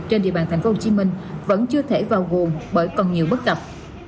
trên địa bàn tp hcm vẫn chưa thể vào gồm bởi còn nhiều bất tập